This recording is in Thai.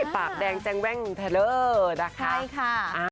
ปากแดงแจงแว่งเทลอร์นะคะ